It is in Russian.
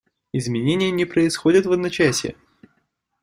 Изменения не происходят в одночасье.